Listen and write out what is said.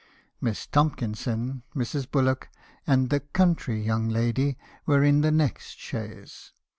Miss Tomkinson, Mrs. Bullock, and the 'county' young lady, were in the next chaise.